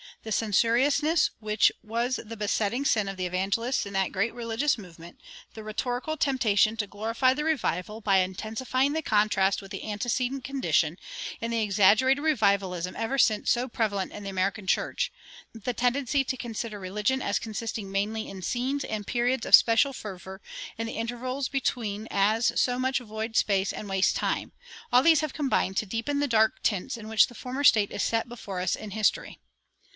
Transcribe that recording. The censoriousness which was the besetting sin of the evangelists in that great religious movement, the rhetorical temptation to glorify the revival by intensifying the contrast with the antecedent condition, and the exaggerated revivalism ever since so prevalent in the American church, the tendency to consider religion as consisting mainly in scenes and periods of special fervor, and the intervals between as so much void space and waste time, all these have combined to deepen the dark tints in which the former state is set before us in history.